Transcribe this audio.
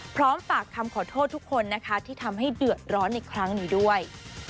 พร้อมฝากคำขอโทษทุกคนนะคะที่ทำให้เดือดร้อนในครั้งนี้ด้วย